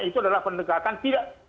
itu adalah pendekatan tidak